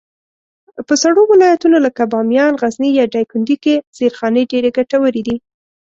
په سړو ولایتونو لکه بامیان، غزني، یا دایکنډي کي زېرخانې ډېرې ګټورې دي.